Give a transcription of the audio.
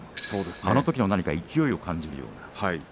あのときの勢いを感じるような。